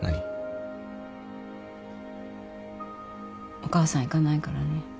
お母さん行かないからね。